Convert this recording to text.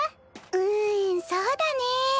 うんそうだねぇ。